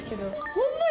ホンマや！